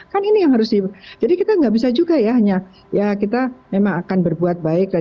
kan ini yang harus di jadi kita nggak bisa juga ya hanya ya kita memang akan berbuat baik lah